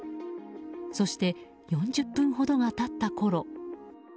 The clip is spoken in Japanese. そして４０分ほどが経ったころ